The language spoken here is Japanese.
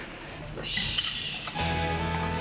よし！